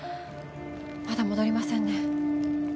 まだ戻りませんね